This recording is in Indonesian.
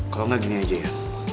kalau nggak gini aja ya